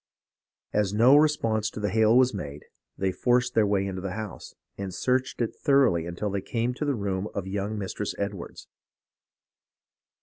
As no response to the hail was made, they forced their way into the house, and searched it thoroughly until they came to the room of young Mistress Edwards.